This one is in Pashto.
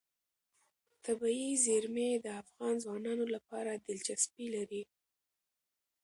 طبیعي زیرمې د افغان ځوانانو لپاره دلچسپي لري.